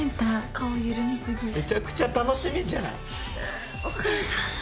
めちゃくちゃ楽しみじゃん！